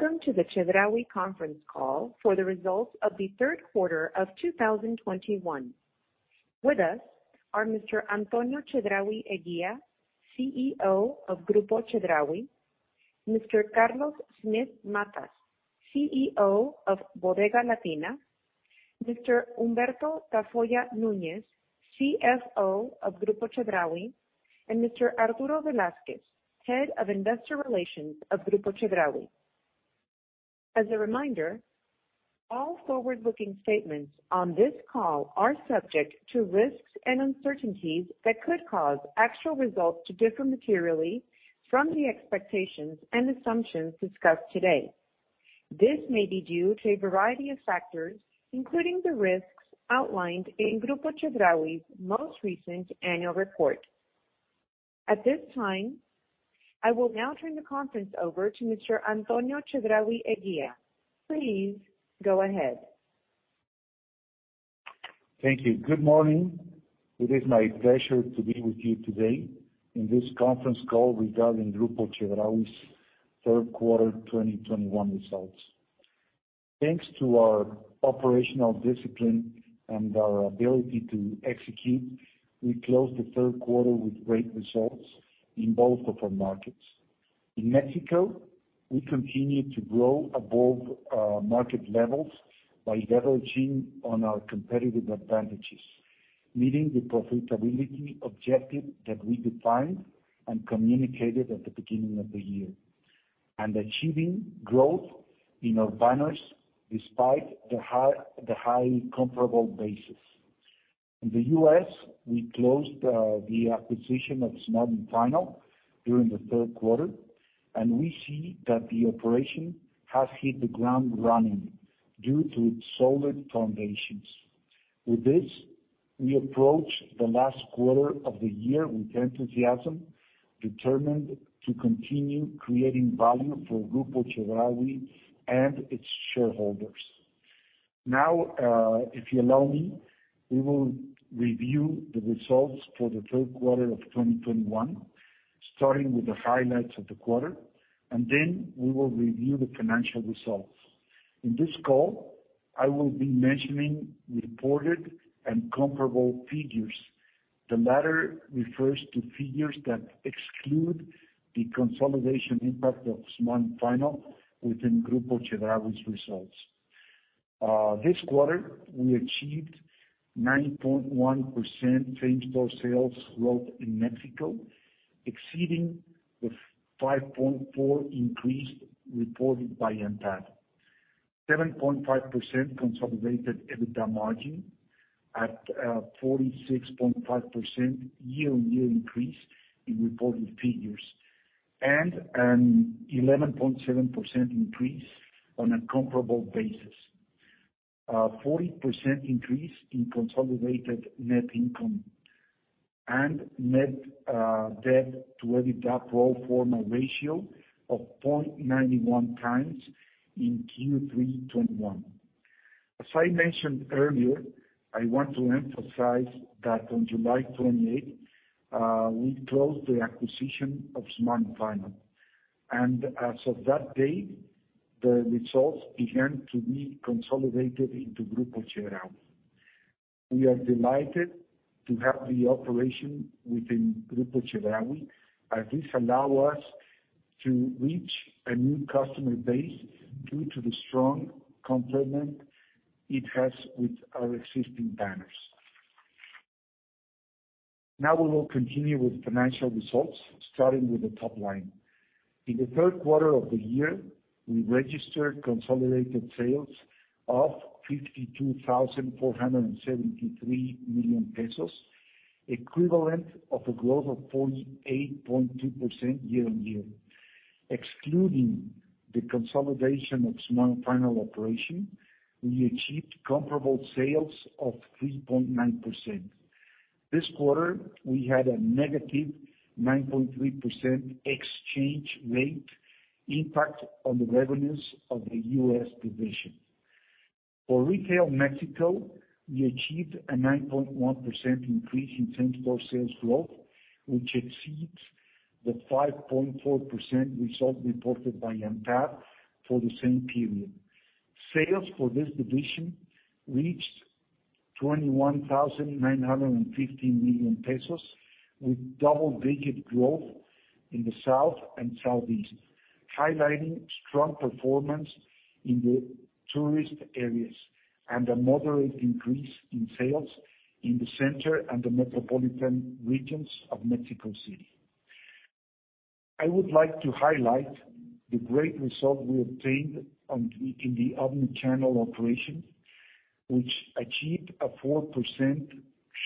Welcome to the Chedraui Conference Call for the results of the third quarter of 2021. With us are Mr. Antonio Chedraui Eguía, CEO of Grupo Chedraui, Mr. Carlos Smith Matas, CEO of Bodega Latina, Mr. Humberto Tafolla Núñez, CFO of Grupo Chedraui, and Mr. Arturo Velázquez, Head of Investor Relations of Grupo Chedraui. As a reminder, all forward-looking statements on this call are subject to risks and uncertainties that could cause actual results to differ materially from the expectations and assumptions discussed today. This may be due to a variety of factors, including the risks outlined in Grupo Chedraui's most recent annual report. At this time, I will now turn the conference over to Mr. Antonio Chedraui Eguía. Please go ahead. Thank you. Good morning. It is my pleasure to be with you today in this conference call regarding Grupo Chedraui's third quarter 2021 results. Thanks to our operational discipline and our ability to execute, we closed the third quarter with great results in both of our markets. In Mexico, we continue to grow above our market levels by leveraging on our competitive advantages, meeting the profitability objective that we defined and communicated at the beginning of the year, and achieving growth in our banners despite the highly comparable basis. In the U.S., we closed the acquisition of Smart & Final during the third quarter, and we see that the operation has hit the ground running due to its solid foundations. With this, we approach the last quarter of the year with enthusiasm, determined to continue creating value for Grupo Chedraui and its shareholders. Now, if you allow me, we will review the results for the third quarter of 2021, starting with the highlights of the quarter, and then we will review the financial results. In this call, I will be mentioning reported and comparable figures. The latter refers to figures that exclude the consolidation impact of Smart & Final within Grupo Chedraui's results. This quarter, we achieved 9.1% same-store sales growth in Mexico, exceeding the 5.4% increase reported by ANTAD. 7.5% consolidated EBITDA margin at 46.5% year-on-year increase in reported figures, and an 11.7% increase on a comparable basis. 40% increase in consolidated net income and net debt to EBITDA pro forma ratio of 0.91x in Q3 2021. As I mentioned earlier, I want to emphasize that on July 28th, we closed the acquisition of Smart & Final. As of that date, the results began to be consolidated into Grupo Chedraui. We are delighted to have the operation within Grupo Chedraui, as this allow us to reach a new customer base due to the strong complement it has with our existing banners. Now we will continue with financial results, starting with the top line. In the third quarter of the year, we registered consolidated sales of 52,473 million pesos, equivalent of a growth of 48.2% year-on-year. Excluding the consolidation of Smart & Final operation, we achieved comparable sales of 3.9%. This quarter, we had a negative 9.3% exchange rate impact on the revenues of the U.S. division. For retail Mexico, we achieved a 9.1% increase in same-store sales growth, which exceeds the 5.4% result reported by ANTAD for the same period. Sales for this division reached 21,950 million pesos, with double-digit growth in the South and Southeast, highlighting strong performance in the tourist areas and a moderate increase in sales in the center and the metropolitan regions of Mexico City. I would like to highlight the great result we obtained in the omni-channel operation, which achieved a 4%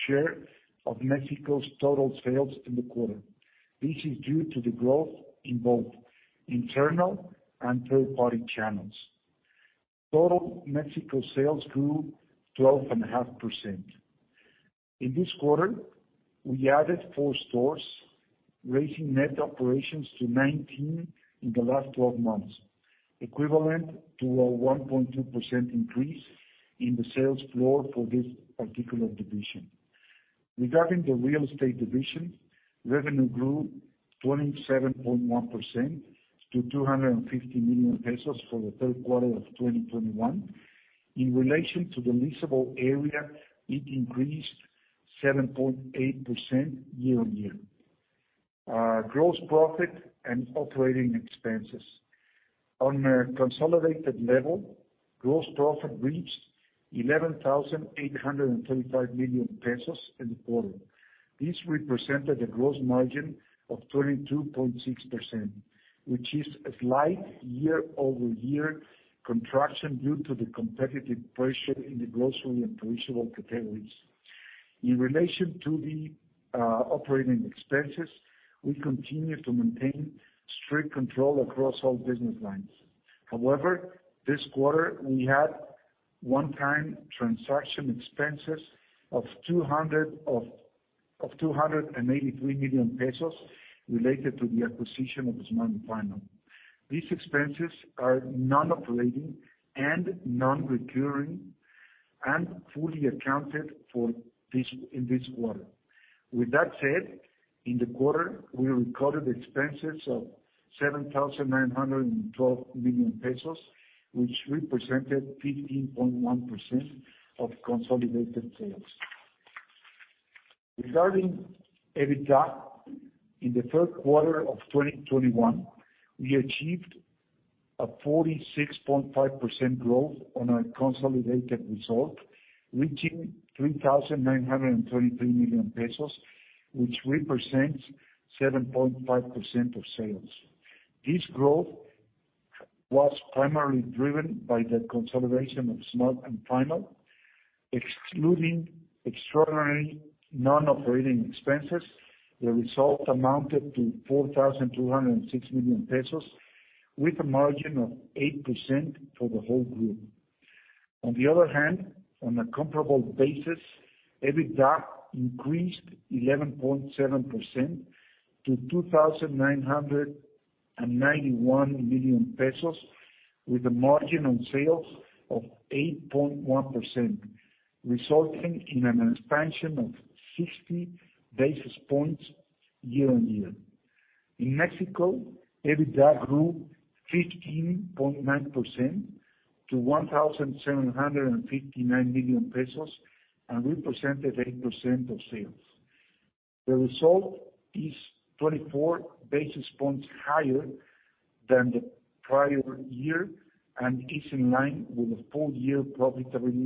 share of Mexico's total sales in the quarter. This is due to the growth in both internal and third-party channels. Total Mexico sales grew 12.5%. In this quarter, we added four stores, raising net operations to 19 in the last 12 months, equivalent to a 1.2% increase in the sales floor for this particular division. Regarding the real estate division, revenue grew 27.1% to 250 million pesos for the third quarter of 2021. In relation to the leasable area, it increased 7.8% year-over-year. Gross profit and operating expenses. On a consolidated level, gross profit reached 11,835 million pesos in the quarter. This represented a gross margin of 22.6%, which is a slight year-over-year contraction due to the competitive pressure in the grocery and perishable categories. In relation to the operating expenses, we continue to maintain strict control across all business lines. However, this quarter, we had one-time transaction expenses of 283 million pesos related to the acquisition of Smart & Final. These expenses are non-operating and non-recurring and fully accounted for this, in this quarter. With that said, in the quarter, we recorded expenses of 7,912 million pesos, which represented 15.1% of consolidated sales. Regarding EBITDA, in the third quarter of 2021, we achieved a 46.5% growth on our consolidated result, reaching 3,933 million pesos, which represents 7.5% of sales. This growth was primarily driven by the consolidation of Smart & Final. Excluding extraordinary non-operating expenses, the result amounted to 4,206 million pesos with a margin of 8% for the whole group. On the other hand, on a comparable basis, EBITDA increased 11.7% to 2,991 million pesos with a margin on sales of 8.1%, resulting in an expansion of 60 basis points year-on-year. In Mexico, EBITDA grew 15.9% to 1,759 million pesos and represented 8% of sales. The result is 24 basis points higher than the prior year and is in line with the full-year profitability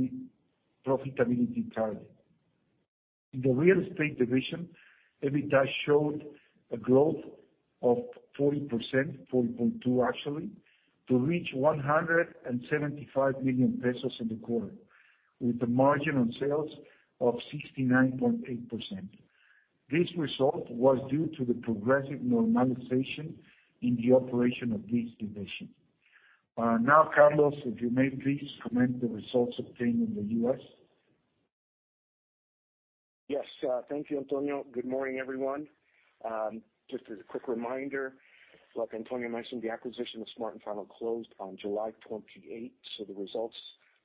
target. In the real estate division, EBITDA showed a growth of 40%, 40.2 actually, to reach 175 million pesos in the quarter, with the margin on sales of 69.8%. This result was due to the progressive normalization in the operation of this division. Now, Carlos, if you may please comment the results obtained in the U.S. Yes, thank you, Antonio. Good morning, everyone. Just as a quick reminder, like Antonio mentioned, the acquisition of Smart & Final closed on July 28, so the results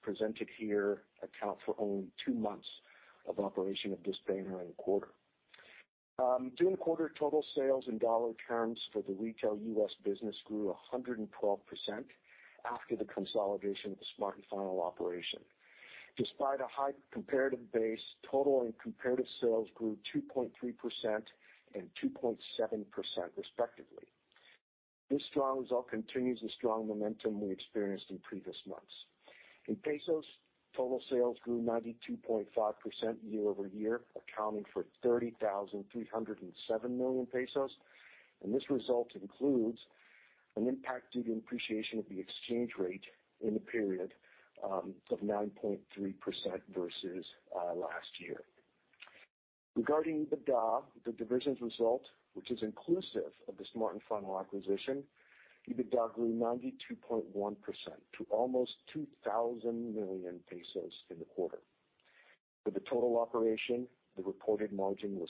presented here account for only two months of operation of this banner in the quarter. During the quarter, total sales in dollar terms for the retail U.S. business grew 112% after the consolidation of the Smart & Final operation. Despite a high comparative base, total and comparative sales grew 2.3% and 2.7% respectively. This strong result continues the strong momentum we experienced in previous months. In pesos, total sales grew 92.5% year-over-year, accounting for 30,307 million pesos, and this result includes an impact due to appreciation of the exchange rate in the period, of 9.3% versus last year. Regarding EBITDA, the divisions result, which is inclusive of the Smart & Final acquisition, EBITDA grew 92.1% to almost 2,000 million pesos in the quarter. For the total operation, the reported margin was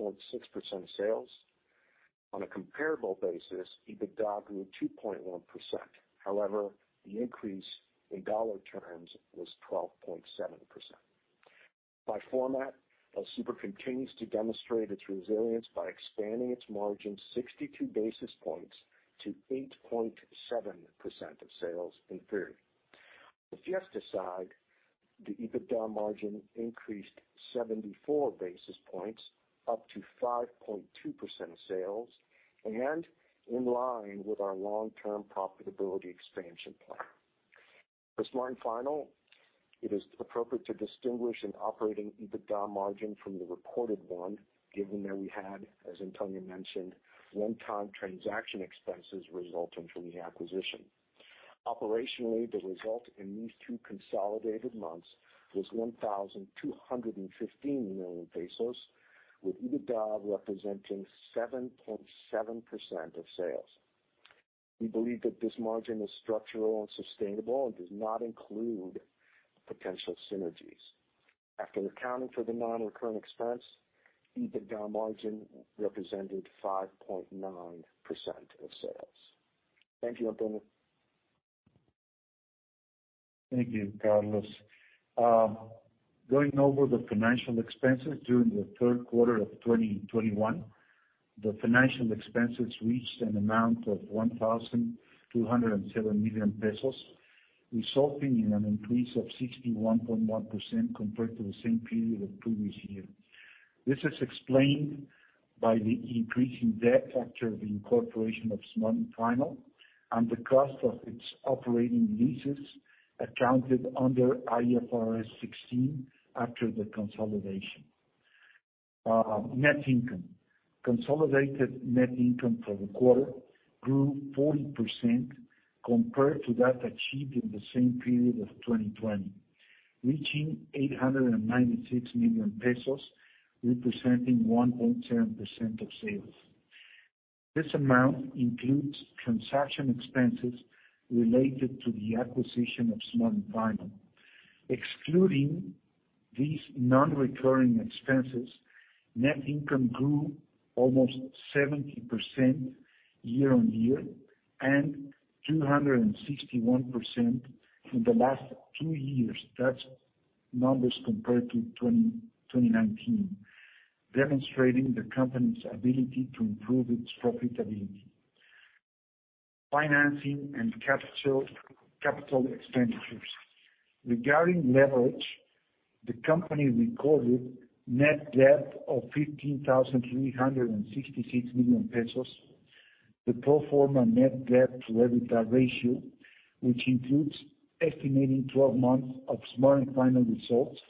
6.6% of sales. On a comparable basis, EBITDA grew 2.1%. However, the increase in dollar terms was 12.7%. By format, El Super continues to demonstrate its resilience by expanding its margin 62 basis points to 8.7% of sales in period. The U.S. side, the EBITDA margin increased 74 basis points up to 5.2% of sales and in line with our long-term profitability expansion plan. For Smart & Final, it is appropriate to distinguish an operating EBITDA margin from the reported one, given that we had, as Antonio mentioned, one-time transaction expenses resulting from the acquisition. Operationally, the result in these two consolidated months was 1,215 million pesos, with EBITDA representing 7.7% of sales. We believe that this margin is structural and sustainable and does not include potential synergies. After accounting for the non-recurring expense, EBITDA margin represented 5.9% of sales. Thank you, Antonio. Thank you, Carlos. Going over the financial expenses during Q3 2021. The financial expenses reached an amount of 1,207 million pesos, resulting in an increase of 61.1% compared to the same period of previous year. This is explained by the increasing debt after the incorporation of Smart & Final and the cost of its operating leases accounted under IFRS 16 after the consolidation. Net income. Consolidated net income for the quarter grew 40% compared to that achieved in the same period of 2020, reaching MXN 896 million, representing 1.7% of sales. This amount includes transaction expenses related to the acquisition of Smart & Final. Excluding these non-recurring expenses, net income grew almost 70% year-on-year and 261% in the last two years. Those numbers compared to 2020 and 2019. Demonstrating the company's ability to improve its profitability. Financing and capital expenditures. Regarding leverage, the company recorded net debt of 15,366 million pesos. The pro forma net debt to EBITDA ratio, which includes estimating 12 months of Smart & Final results,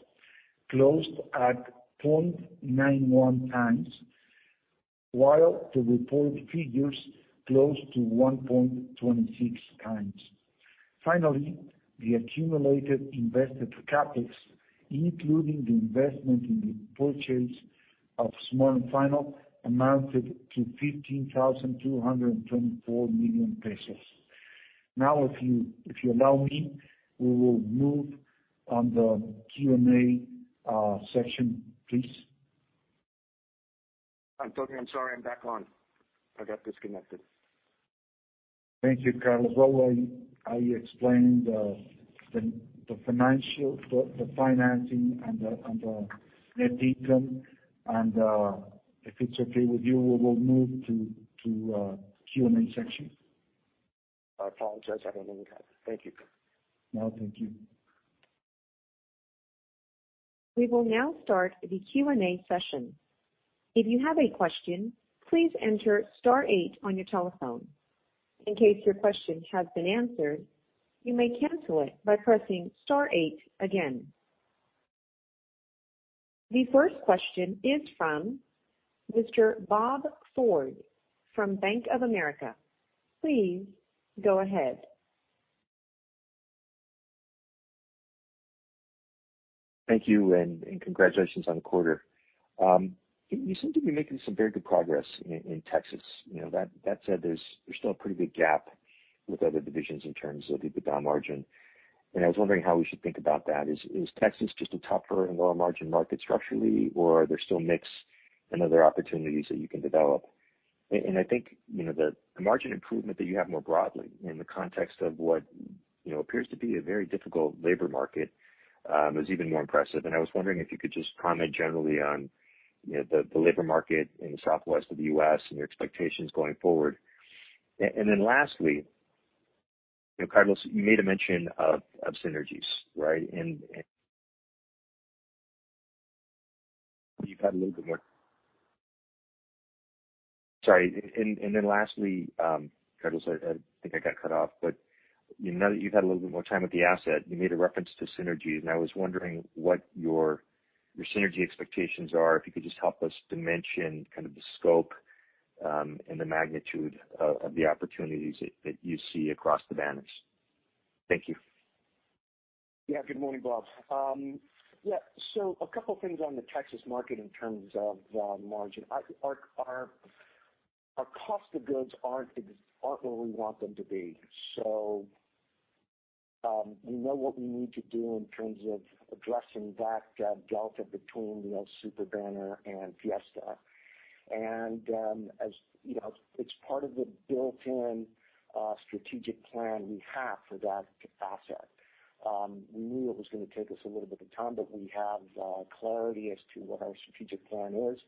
closed at 0.91 times, while the reported figures closed at 1.26 times. Finally, the accumulated invested CapEx, including the investment in the purchase of Smart & Final, amounted to 15,224 million pesos. Now, if you allow me, we will move on to the Q&A session, please. Antonio, I'm sorry, I'm back on. I got disconnected. Thank you, Carlos. Well, I explained the financing and the net income. If it's okay with you, we will move to Q&A section. I apologize. I didn't mean to cut you. Thank you. No, thank you. We will now start the Q&A session. If you have a question, please enter star eight on your telephone. In case your question has been answered, you may cancel it by pressing star eight again. The first question is from Mr. Bob Ford from Bank of America. Please go ahead. Thank you and congratulations on the quarter. You seem to be making some very good progress in Texas. You know, that said, there's still a pretty big gap with other divisions in terms of the EBITDA margin. I was wondering how we should think about that. Is Texas just a tougher and lower margin market structurally or there's still mix and other opportunities that you can develop? I think, you know, the margin improvement that you have more broadly in the context of what, you know, appears to be a very difficult labor market, is even more impressive. I was wondering if you could just comment generally on, you know, the labor market in the Southwest of the U.S. and your expectations going forward. Lastly, you know, Carlos, you made a mention of synergies, right? Then lastly, Carlos, I think I got cut off, but you know, you've had a little bit more time with the asset. You made a reference to synergies, and I was wondering what your synergy expectations are, if you could just help us dimension kind of the scope and the magnitude of the opportunities that you see across the banners. Thank you. Yeah. Good morning, Bob. A couple things on the Texas market in terms of margin. Our cost of goods aren't where we want them to be. We know what we need to do in terms of addressing that delta between El Super and Fiesta. As you know, it's part of the built-in strategic plan we have for that asset. We knew it was gonna take us a little bit of time, but we have clarity as to what our strategic plan is,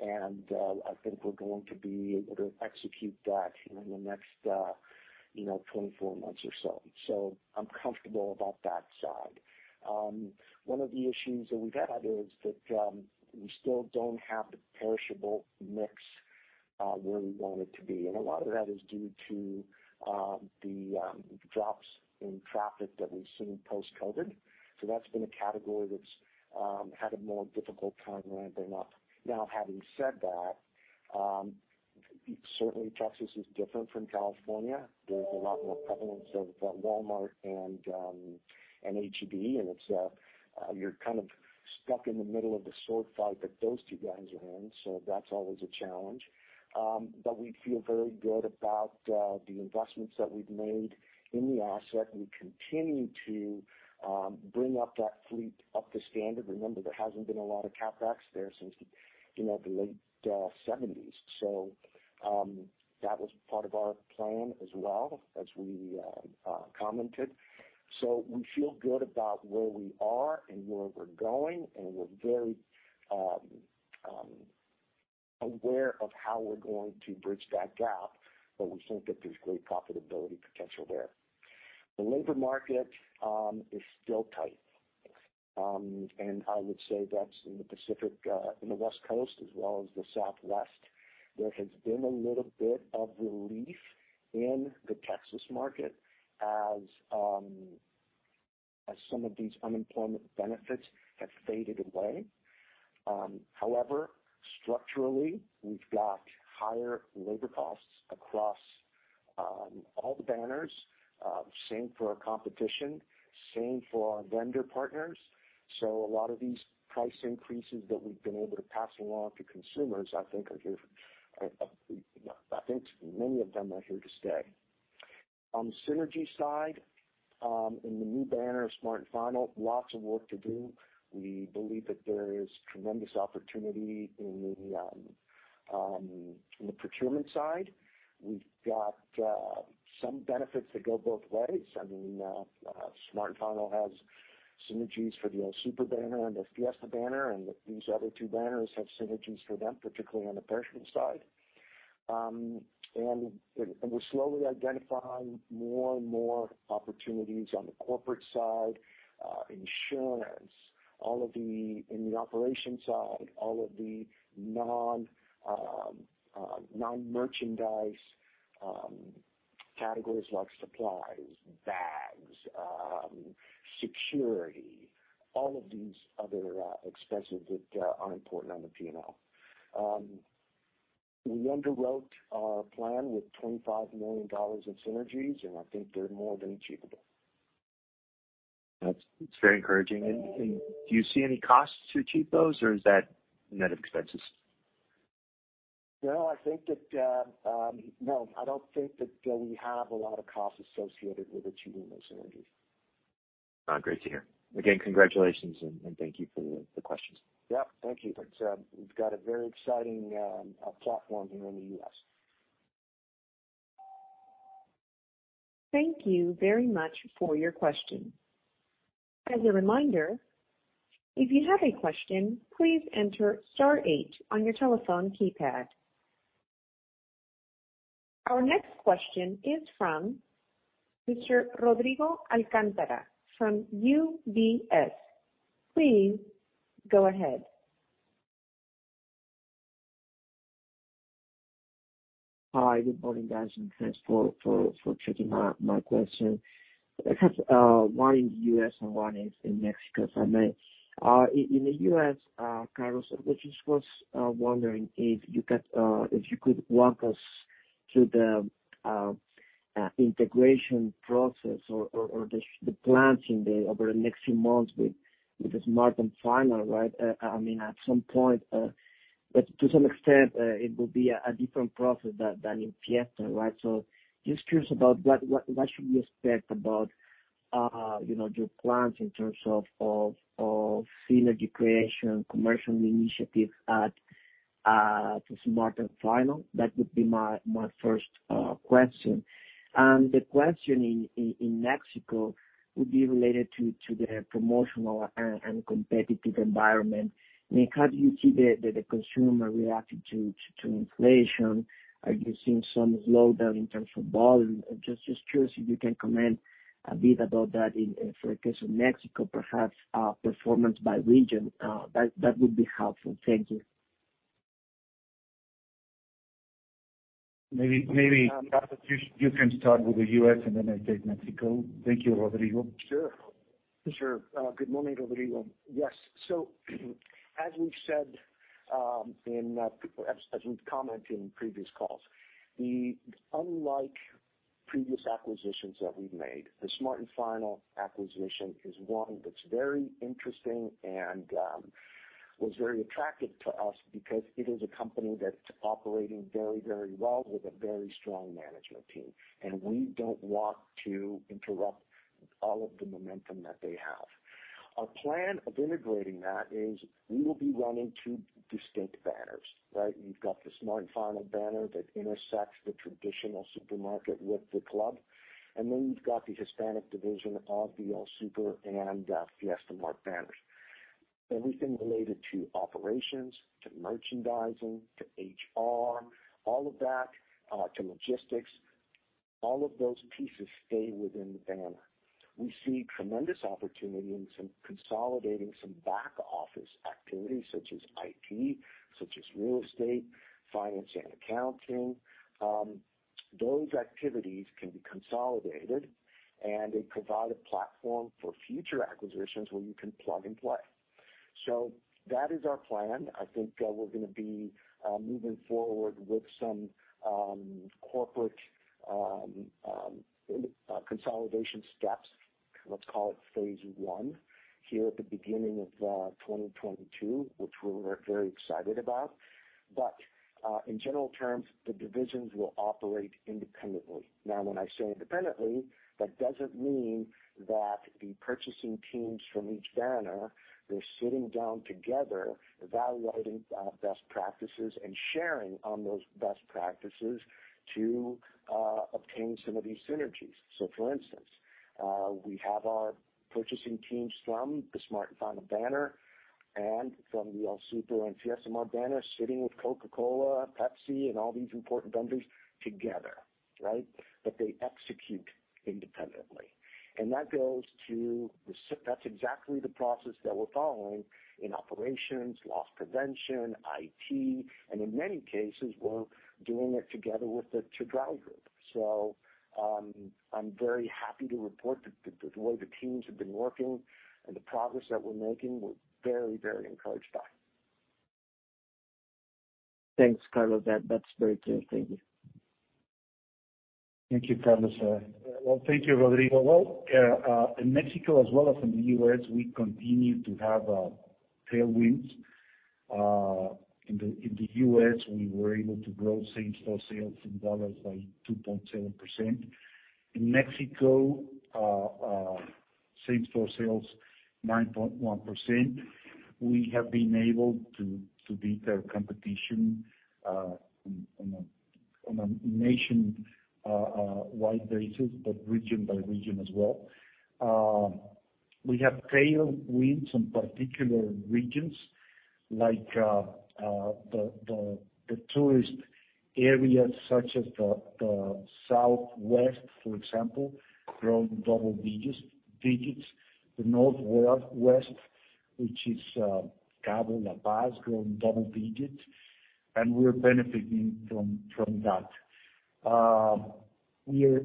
and I think we're going to be able to execute that in the next you know, 24 months or so. I'm comfortable about that side. One of the issues that we've had is that, we still don't have the perishable mix, where we want it to be, and a lot of that is due to, the, drops in traffic that we've seen post-COVID. That's been a category that's, had a more difficult time ramping up. Now, having said that, certainly Texas is different from California. There's a lot more prevalence of, Walmart and H-E-B, and it's, you're kind of stuck in the middle of the sword fight that those two guys are in. That's always a challenge. We feel very good about, the investments that we've made in the asset. We continue to bring up that fleet to standard. Remember, there hasn't been a lot of CapEx there since, you know, the late seventies. That was part of our plan as well as we commented. We feel good about where we are and where we're going, and we're very aware of how we're going to bridge that gap, but we think that there's great profitability potential there. The labor market is still tight. I would say that's in the Pacific in the West Coast as well as the Southwest. There has been a little bit of relief in the Texas market as some of these unemployment benefits have faded away. However, structurally, we've got higher labor costs across all the banners, same for our competition, same for our vendor partners. A lot of these price increases that we've been able to pass along to consumers, I think are here. You know, I think many of them are here to stay. On synergy side, in the new banner, Smart & Final, lots of work to do. We believe that there is tremendous opportunity in the procurement side. We've got some benefits that go both ways. I mean, Smart & Final has synergies for the El Super banner and the Fiesta banner, and these other two banners have synergies for them, particularly on the perishables side. We're slowly identifying more and more opportunities on the corporate side, insurance, in the operation side, all of the non-merchandise categories like supplies, bags, security, all of these other expenses that are important on the P&L. We underwrote our plan with $25 million in synergies, and I think they're more than achievable. That's very encouraging. Do you see any costs to achieve those or is that net expenses? No, I think that. No, I don't think that we have a lot of costs associated with achieving those synergies. Great to hear. Again, congratulations and thank you for the questions. Yeah. Thank you. It's, we've got a very exciting platform here in the U.S. Thank you very much for your question. As a reminder, if you have a question, please enter star eight on your telephone keypad. Our next question is from Mr. Rodrigo Alcántara from UBS. Please go ahead. Hi. Good morning, guys, and thanks for taking my question. I have one in the U.S. and one in Mexico, if I may. In the U.S., Carlos, I just was wondering if you could walk us through the plans over the next few months with the Smart & Final, right? I mean, at some point, but to some extent, it will be a different process than in Fiesta, right? Just curious about what should we expect about, you know, your plans in terms of synergy creation, commercial initiatives added to Smart & Final? That would be my first question. The question in Mexico would be related to the promotional and competitive environment. I mean, how do you see the consumer reacting to inflation? Are you seeing some slowdown in terms of volume? Just curious if you can comment a bit about that in for the case of Mexico, perhaps performance by region. That would be helpful. Thank you. Maybe you can start with the U.S. and then I take Mexico. Thank you, Rodrigo. Sure. Good morning, Rodrigo. Yes. So as we've said, as we've commented in previous calls, unlike previous acquisitions that we've made, the Smart & Final acquisition is one that's very interesting and was very attractive to us because it is a company that's operating very, very well with a very strong management team. We don't want to interrupt all of the momentum that they have. Our plan of integrating that is we will be running two distinct banners, right? You've got the Smart & Final banner that intersects the traditional supermarket with the club, and then you've got the Hispanic division of the El Super and Fiesta Mart banners. Everything related to operations, to merchandising, to HR, all of that, to logistics, all of those pieces stay within the banner. We see tremendous opportunity in consolidating some back office activities such as IT, such as real estate, finance and accounting. Those activities can be consolidated, and they provide a platform for future acquisitions where you can plug and play. That is our plan. I think, we're gonna be moving forward with some corporate consolidation steps, let's call it phase one, here at the beginning of 2022, which we're very excited about. In general terms, the divisions will operate independently. Now, when I say independently, that doesn't mean that the purchasing teams from each banner, they're sitting down together evaluating best practices and sharing on those best practices to obtain some of these synergies. For instance, we have our purchasing teams from the Smart & Final banner and from the El Super and Fiesta Mart banner sitting with Coca-Cola, Pepsi, and all these important vendors together, right? They execute independently. That's exactly the process that we're following in operations, loss prevention, IT, and in many cases, we're doing it together with the Chedraui group. I'm very happy to report that the way the teams have been working and the progress that we're making, we're very, very encouraged by. Thanks, Carlos. That's very clear. Thank you. Thank you, Carlos. Thank you, Rodrigo. In Mexico as well as in the U.S., we continue to have tailwinds. In the U.S., we were able to grow same-store sales in dollars by 2.7%. In Mexico, same-store sales 9.1%. We have been able to beat our competition on a nationwide basis, but region by region as well. We have tailwinds in particular regions like the tourist areas such as the Southwest, for example, growing double digits. The Northwest, which is Cabo San Lucas, growing double digits, and we're benefiting from that. We're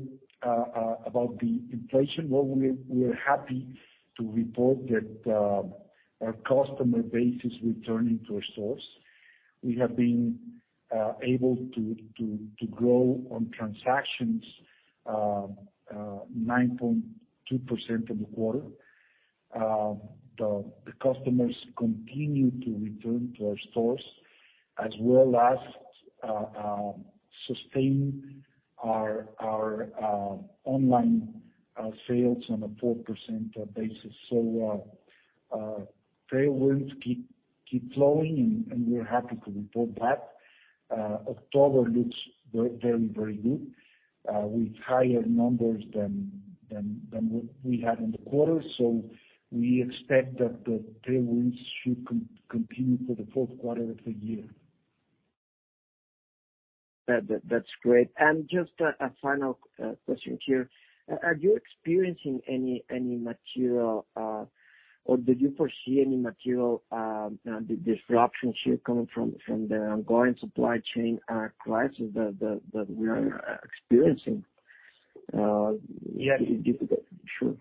above the inflation. We're happy to report that our customer base is returning to our stores. We have been able to grow on transactions 9.2% in the quarter. The customers continue to return to our stores as well as sustain our online sales on a 4% basis. Tailwinds keep flowing and we're happy to report that. October looks very, very good with higher numbers than what we had in the quarter. We expect that the tailwinds should continue for the fourth quarter of the year. That's great. Just a final question here. Are you experiencing any material or did you foresee any material disruptions here coming from the ongoing supply chain crisis that we are experiencing? Yes. Is it difficult? Sure.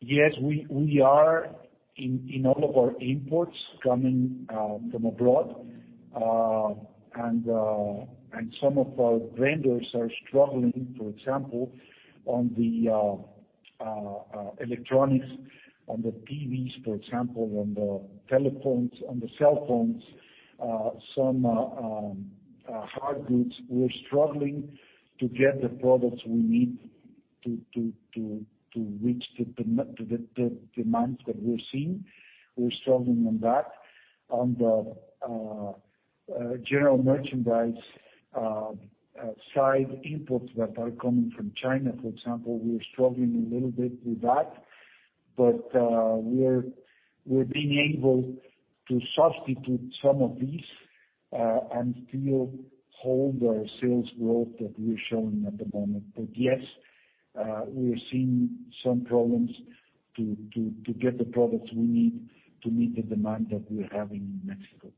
Yes, we are seeing in all of our imports coming from abroad. Some of our vendors are struggling, for example, on the electronics, on the TVs, for example, on the telephones, on the cell phones, some hard goods. We're struggling to get the products we need to reach the demands that we're seeing. We're struggling on that. On the general merchandise side, imports that are coming from China, for example, we are struggling a little bit with that. We're being able to substitute some of these and still hold our sales growth that we're showing at the moment. Yes, we are seeing some problems to get the products we need to meet the demand that we're having in Mexico.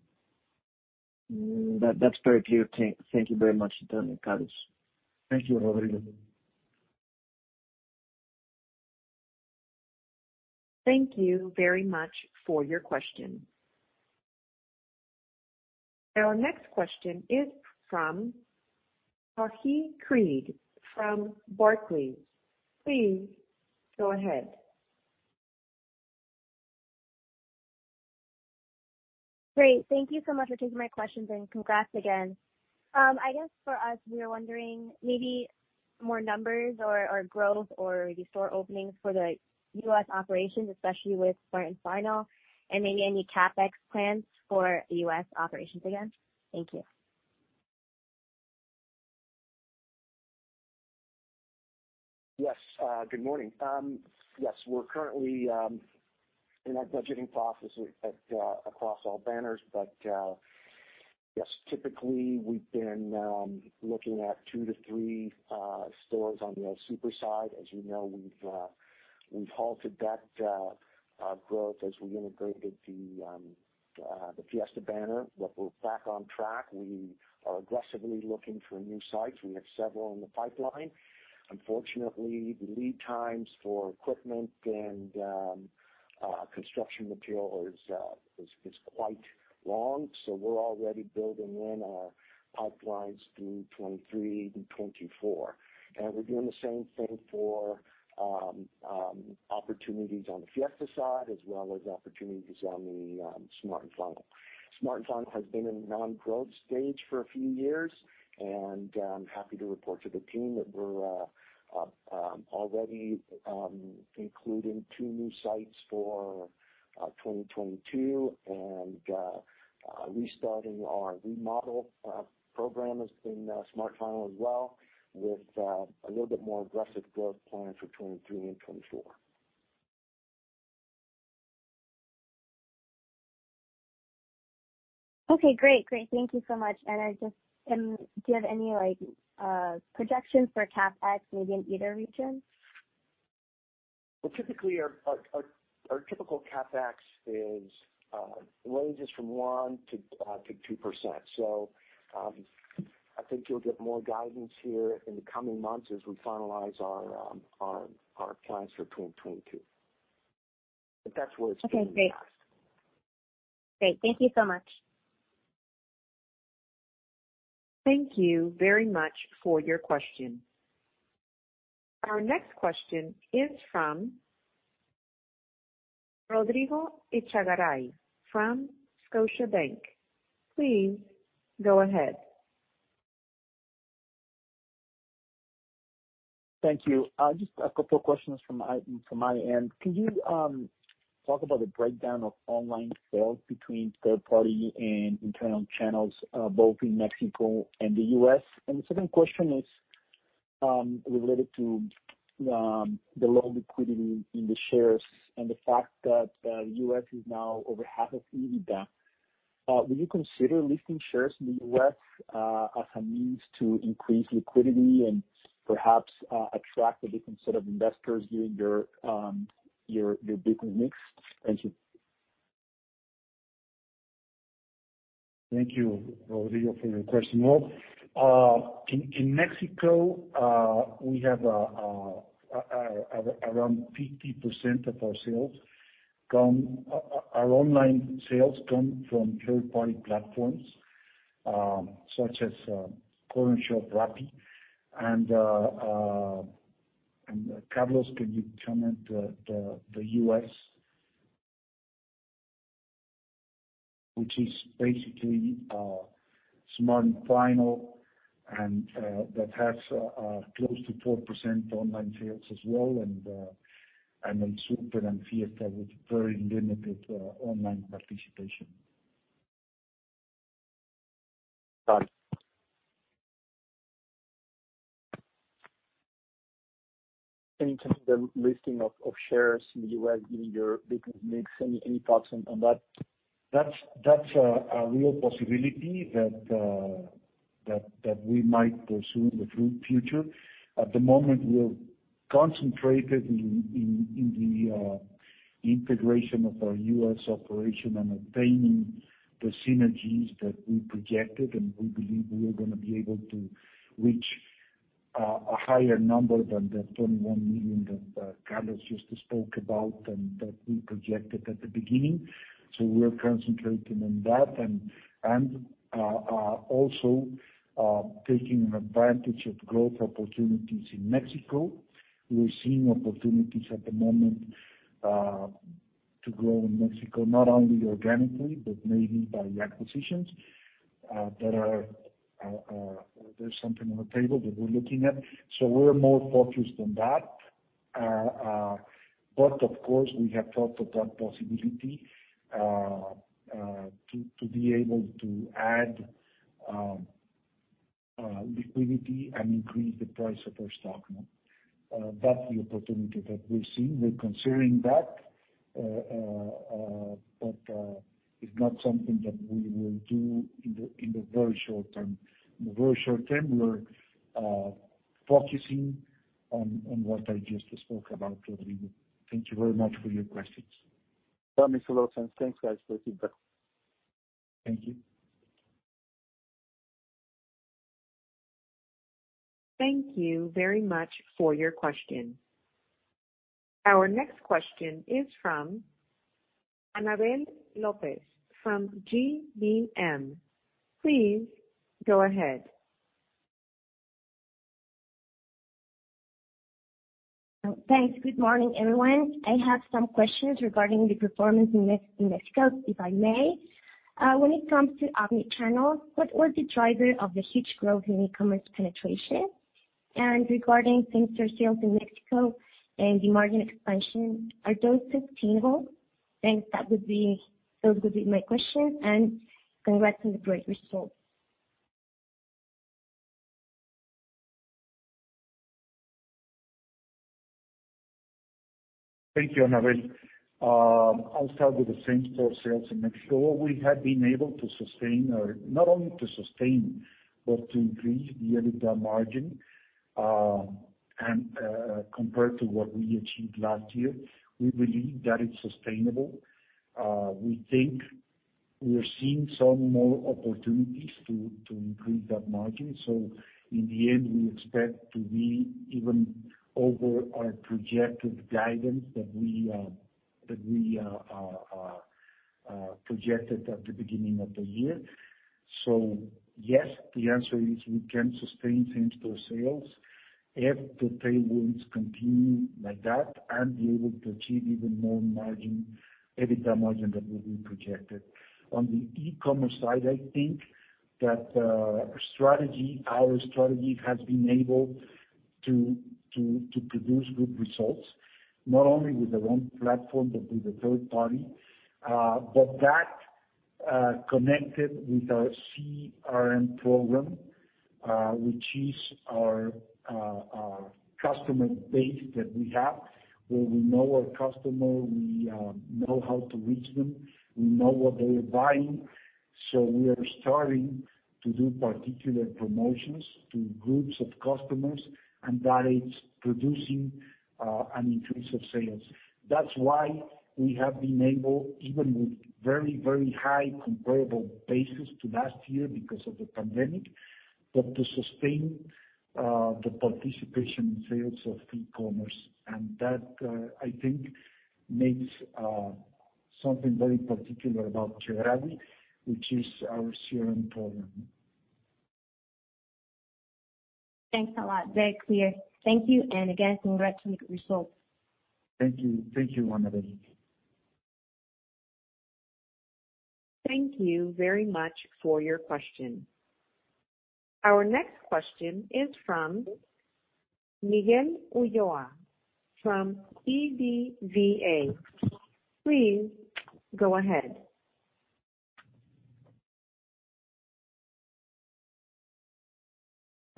That's very clear. Thank you very much. Thank you, Carlos. Thank you, Rodrigo. Thank you very much for your question. Our next question is from Paahi Creed from Barclays. Please go ahead. Great. Thank you so much for taking my questions, and congrats again. I guess for us, we are wondering maybe more numbers or growth or the store openings for the U.S. operations, especially with Smart & Final, and maybe any CapEx plans for U.S. operations again. Thank you. Yes. Good morning. Yes, we're currently in our budgeting process across all banners. Yes, typically, we've been looking at two to three stores on the El Super side. As you know, we've halted that growth as we integrated the Fiesta banner. We're back on track. We are aggressively looking for new sites. We have several in the pipeline. Unfortunately, the lead times for equipment and construction material is quite long, so we're already building in our pipelines through 2023 to 2024. We're doing the same thing for opportunities on the Fiesta side as well as opportunities on the Smart & Final. Smart & Final has been in a non-growth stage for a few years and happy to report to the team that we're already including two new sites for 2022, restarting our remodel program has been Smart & Final as well, with a little bit more aggressive growth plans for 2023 and 2024. Okay, great. Great. Thank you so much. Do you have any, like, projections for CapEx maybe in either region? Well, typically our typical CapEx ranges from 1%-2%. I think you'll get more guidance here in the coming months as we finalize our plans for 2022. That's where it's been in the past. Okay, great. Thank you so much. Thank you very much for your question. Our next question is from Rodrigo Echagaray from Scotiabank. Please go ahead. Thank you. Just a couple of questions from my end. Could you talk about the breakdown of online sales between third party and internal channels, both in Mexico and the U.S.? The second question is related to the low liquidity in the shares and the fact that U.S. is now over half of EBITDA. Do you consider listing shares in the U.S., as a means to increase liquidity and perhaps attract a different set of investors given your business mix? Thank you. Thank you, Rodrigo, for your question. Well, in Mexico, around 50% of our online sales come from third-party platforms, such as Cornershop, Rappi, and Carlos, can you comment on the U.S.? Which is basically Smart & Final, and that has close to 4% online sales as well, and then El Super and Fiesta with very limited online participation. Got it. In terms of the listing of shares in the U.S., given your business mix, any thoughts on that? That's a real possibility that we might pursue in the future. At the moment, we're concentrated in the integration of our U.S. operation and obtaining the synergies that we projected, and we believe we are gonna be able to reach a higher number than the $21 million that Carlos just spoke about and that we projected at the beginning. We're concentrating on that and also taking advantage of growth opportunities in Mexico. We're seeing opportunities at the moment to grow in Mexico, not only organically, but maybe by acquisitions. There's something on the table that we're looking at. We're more focused on that. Of course, we have thought about the possibility to be able to add liquidity and increase the price of our stock. That's the opportunity that we're seeing. We're considering that, but it's not something that we will do in the very short term. In the very short term, we're focusing on what I just spoke about, Rodrigo. Thank you very much for your questions. That makes a lot of sense. Thanks, guys, for the feedback. Thank you. Thank you very much for your question. Our next question is from Anabel López from GBM. Please go ahead. Thanks. Good morning, everyone. I have some questions regarding the performance in Mexico, if I may. When it comes to omnichannel, what was the driver of the huge growth in e-commerce penetration? Regarding same-store sales in Mexico and the margin expansion, are those sustainable? Thanks. Those would be my questions. Congrats on the great results. Thank you, Anabel. I'll start with the same-store sales in Mexico. We have been able to sustain or not only to sustain, but to increase the EBITDA margin, and compared to what we achieved last year, we believe that it's sustainable. We think we are seeing some more opportunities to increase that margin. In the end, we expect to be even over our projected guidance that we projected at the beginning of the year. Yes, the answer is we can sustain same-store sales if the trends continue like that and be able to achieve even more margin, EBITDA margin that we projected. On the e-commerce side, I think that our strategy has been able to produce good results, not only with our own platform, but with the third party. That connected with our CRM program, which is our customer base that we have, where we know our customer, we know how to reach them, we know what they are buying. We are starting to do particular promotions to groups of customers, and that is producing an increase of sales. That's why we have been able, even with very, very high comparable basis to last year because of the pandemic, but to sustain the participation in sales of e-commerce. That I think makes something very particular about Chedraui, which is our CRM program. Thanks a lot. Very clear. Thank you. Again, congratulations on the results. Thank you. Thank you, Marianne. Thank you very much for your question. Our next question is from Miguel Ulloa from BBVA. Please go ahead.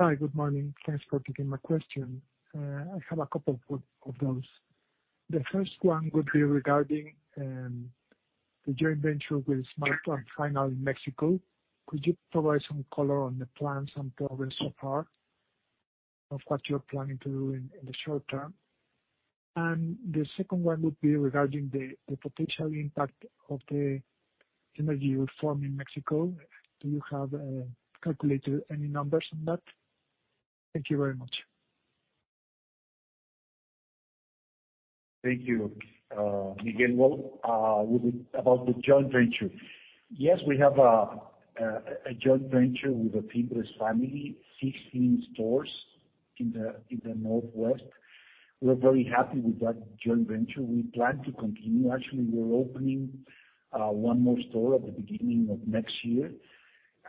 Hi. Good morning. Thanks for taking my question. I have a couple of those. The first one would be regarding the joint venture with Smart & Final in Mexico. Could you provide some color on the plans and progress so far of what you're planning to do in the short term? The second one would be regarding the potential impact of the energy reform in Mexico. Do you have calculated any numbers on that? Thank you very much. Thank you, Miguel. What about the joint venture. Yes, we have a joint venture with the Pimber's family, 16 stores in the Northwest. We're very happy with that joint venture. We plan to continue. Actually, we're opening one more store at the beginning of next year,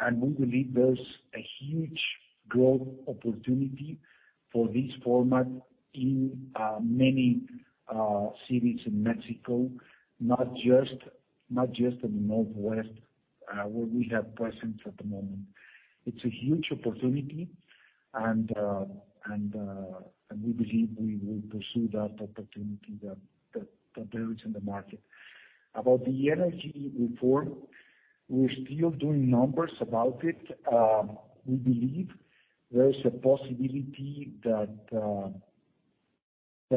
and we believe there's a huge growth opportunity for this format in many cities in Mexico, not just in the Northwest where we have presence at the moment. It's a huge opportunity, and we believe we will pursue that opportunity that there is in the market. About the energy reform, we're still doing numbers about it. We believe there is a possibility that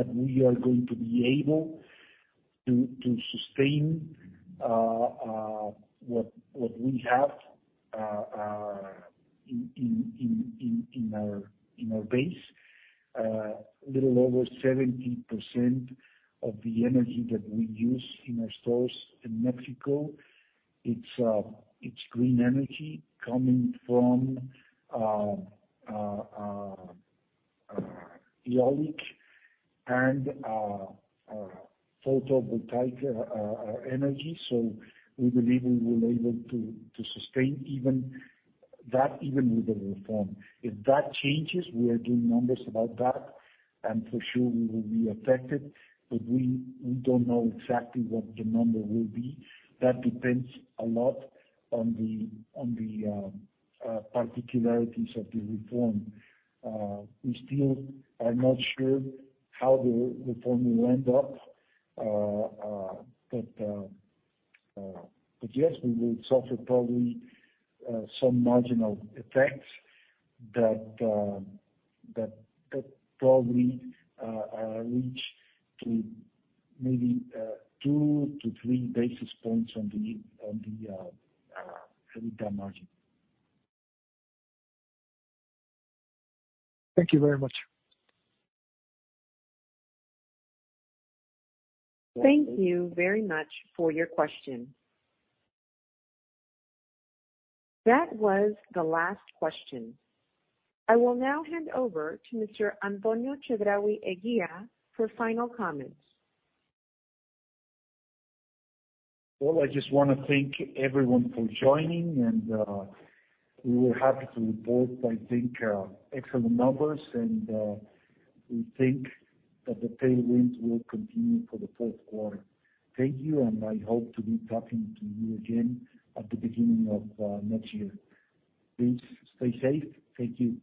we are going to be able to sustain what we have in our base. A little over 70% of the energy that we use in our stores in Mexico, it's green energy coming from eolic and photovoltaic energy. We believe we will be able to sustain even that, even with the reform. If that changes, we are doing numbers about that, and for sure we will be affected. But we don't know exactly what the number will be. That depends a lot on the particularities of the reform. We still are not sure how the reform will end up, but yes, we will suffer probably some marginal effects that probably reach to maybe 2-3 basis points on the EBITDA margin. Thank you very much. Thank you very much for your question. That was the last question. I will now hand over to Mr. Antonio Chedraui Eguía for final comments. Well, I just wanna thank everyone for joining, and we were happy to report, I think, excellent numbers, and we think that the tailwinds will continue for the fourth quarter. Thank you, and I hope to be talking to you again at the beginning of next year. Please stay safe. Thank you.